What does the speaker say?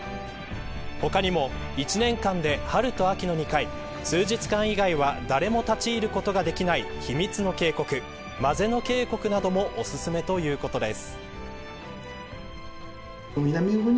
他にも１年間で春と秋の２回数日間以外は誰も立ち入ることができない秘密の渓谷、マゼノ渓谷などもおすすめということです。